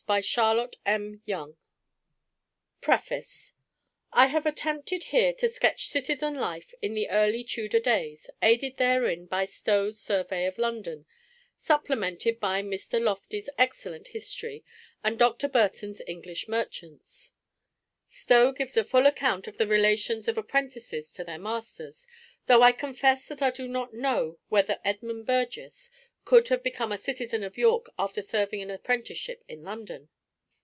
"See there, Master Alderman" PREFACE I have attempted here to sketch citizen life in the early Tudor days, aided therein by Stowe's Survey of London, supplemented by Mr. Loftie's excellent history, and Dr. Burton's English Merchants. Stowe gives a full account of the relations of apprentices to their masters; though I confess that I do not know whether Edmund Burgess could have become a citizen of York after serving an apprenticeship in London.